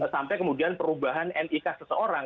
sampai kemudian perubahan nik seseorang